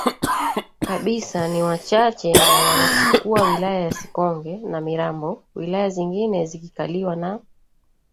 kabisa ni wachache na wanachukua wilaya ya Sikonge na Mirambo wilaya zingine zikikaliwa na